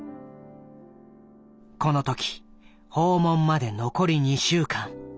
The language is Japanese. この時訪問まで残り２週間。